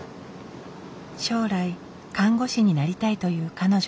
将来看護師になりたいという彼女。